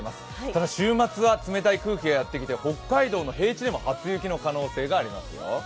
ただ、週末は冷たい空気がやってきて北海道の平地でも初雪の可能性がありますよ。